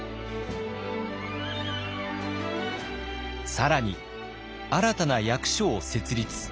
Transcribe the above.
更に新たな役所を設立。